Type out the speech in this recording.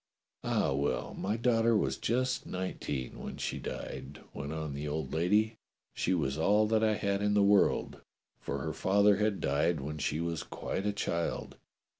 "Ah, well, my daughter was just nineteen when she died," went on the old lady. "She was all I had in the world, for her father had died when she was quite a 260 DOCTOR SYN child.